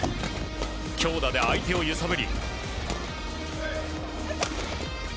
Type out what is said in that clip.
強打で相手を揺さぶり。